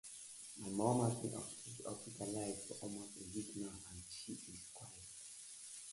The initial course had to be chopped out of an impassable rock-strewn terrain.